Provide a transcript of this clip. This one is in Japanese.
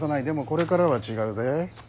でもこれからは違うぜ。